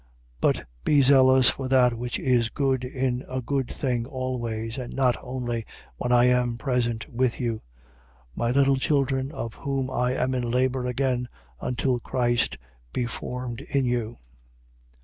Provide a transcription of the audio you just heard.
4:18. But be zealous for that which is good in a good thing always: and not only when I am present with you. 4:19. My little children, of whom I am in labour again, until Christ be formed in you.